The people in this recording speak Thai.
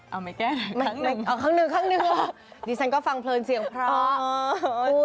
เอาไม่แก้ครั้งหนึ่งเอาครั้งหนึ่งครั้งหนึ่งดิฉันก็ฟังเพลินเสียงเพราะ